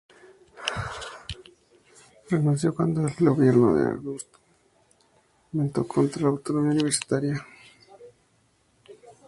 Renunció ella cuando el gobierno de Augusto B. Leguía intervino contra la autonomía universitaria.